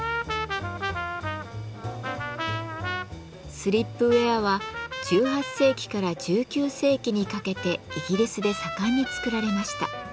スリップウェアは１８世紀から１９世紀にかけてイギリスで盛んに作られました。